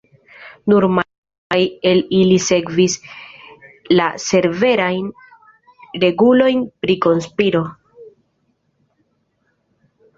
Nur malmultaj el ili sekvis la severajn regulojn pri konspiro.